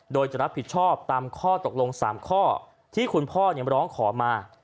โดยจะรับผิดชอบตามข้อตกลง๓ข้อที่คุณพ่อร้องขอมา